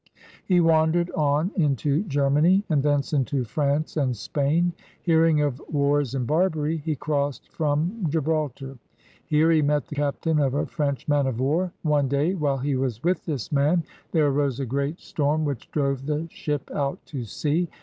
He wandered on mto Germany and thence into France and Spain. Hearing of wars in Barbary, he crossed from Gibraltar. Here he met the captain of a French man of war. One day while he was with this man there arose a great storm which drove the ship out to sea.